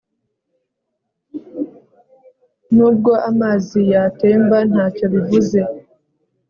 Nubwo amazi yatemba ntacyo bivuze